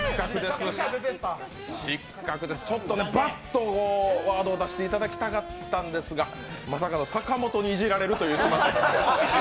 バッとワードを出していただきたかったんですが、まさかの阪本にいじられるということで。